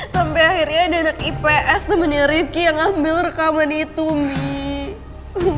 sampai akhirnya ada ips temennya rifki yang ambil rekaman itu mie